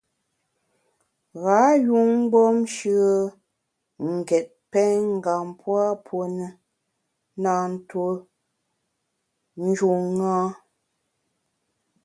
Ghâ yun mgbom shùe n’ ngét pèngam pua puo ne, na ntuo njun ṅa.